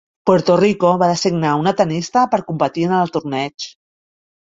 Puerto Rico va designar una tennista per competir en el torneig.